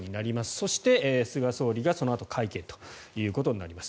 そして、菅総理が、そのあと会見ということになります。